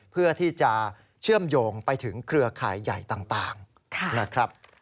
เพื่อที่จะเชื่อมโยงไปถึงเครือข่ายใหญ่ต่างนะครับ